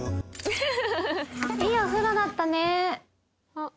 いいお風呂だったね！